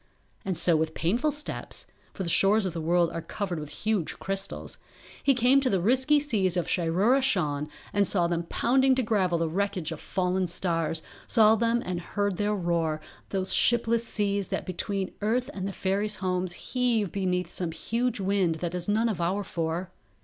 And so with painful steps (for the shores of the world are covered with huge crystals) he came to the risky seas of Shiroora Shan and saw them pounding to gravel the wreckage of fallen stars, saw them and heard their roar, those shipless seas that between earth and the fairies' homes heave beneath some huge wind that is none of our four.